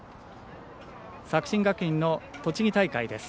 作新学院の栃木大会です。